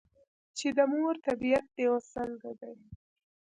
چې " د مور طبیعیت دې اوس څنګه دے ؟" ـ